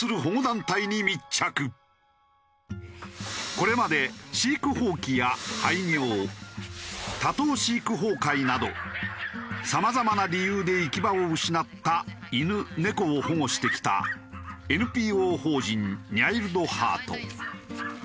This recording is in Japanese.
これまで飼育放棄や廃業多頭飼育崩壊などさまざまな理由で行き場を失った犬猫を保護してきたＮＰＯ法人にゃいるどはーと。